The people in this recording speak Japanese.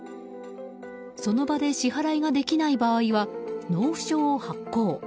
その場で支払いができない場合は納付書を発行。